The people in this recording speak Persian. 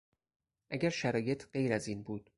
اگر شرایط غیر از این بود